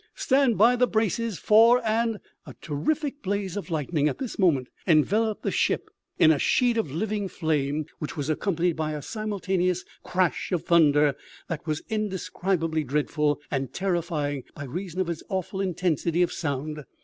Stand by the braces fore and " A terrific blaze of lightning at this moment enveloped the ship in a sheet of living flame, which was accompanied by a simultaneous crash of thunder that was indescribably dreadful and terrifying by reason of its awful intensity of sound.